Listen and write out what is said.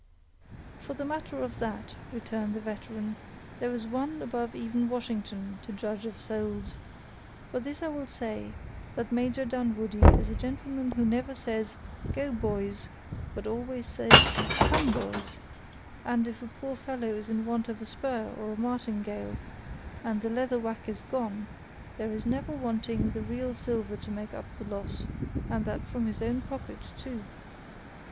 "For the matter of that," returned the veteran, "there is One above even Washington, to judge of souls; but this I will say, that Major Dunwoodie is a gentleman who never says, Go, boys—but always says, Come, boys; and if a poor fellow is in want of a spur or a martingale, and the leather whack is gone, there is never wanting the real silver to make up the loss, and that from his own pocket too."